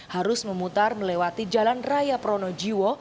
harus memutar melewati jalan raya pronojiwo